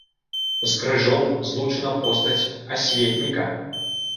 З крыжом злучана постаць асветніка.